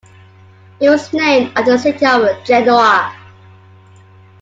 It was named after the city of Genoa.